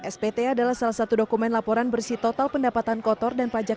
spt adalah salah satu dokumen laporan bersih total pendapatan kotor dan pajak